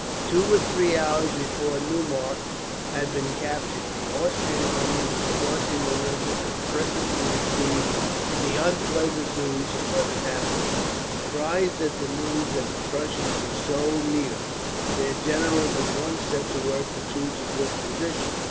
Two or three hours before Neumarkt had been captured, the Austrian army was crossing the river, and presently received the unpleasant news of what had happened. Surprised at the news that the Prussians were so near, their generals at once set to work to choose a good position.